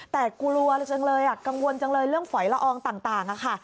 แต่กลัวจังเลยกังวลจังเลยเรื่องฝอยละอองต่างค่ะ